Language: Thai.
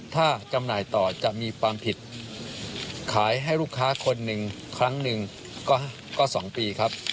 ถ้าจำหน่ายต่อจะมีความผิดขายให้ลูกค้าคนหนึ่งครั้งหนึ่งก็๒ปีครับ